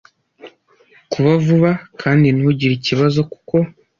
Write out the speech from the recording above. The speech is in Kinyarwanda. kuba vuba kandi ntugire ikibazo kuko